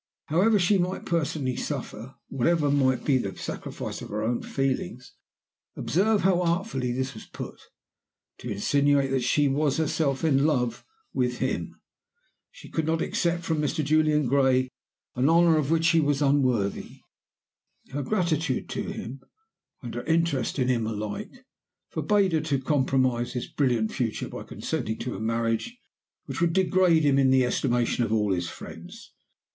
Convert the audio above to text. However she might personally suffer, whatever might be the sacrifice of her own feelings observe how artfully this was put, to insinuate that she was herself in love with him! she could not accept from Mr. Julian Gray an honor of which she was unworthy. Her gratitude to him and her interest in him alike forbade her to compromise his brilliant future by consenting to a marriage which would degrade him in the estimation of all his friends.